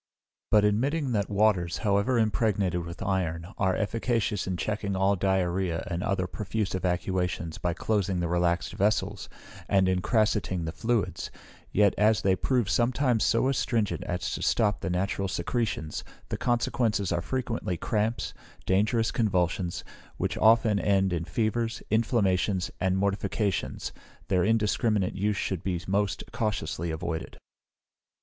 But admitting that waters, however impregnated with iron, are efficacious in checking all diarrhoea and other profuse evacuations, by closing the relaxed vessels, and incrassating the fluids, yet as they prove sometimes so astringent as to stop the natural secretions, the consequences are frequently cramps, dangerous convulsions, which often end in fevers, inflammations, and mortifications, their indiscriminate use should be most cautiously avoided.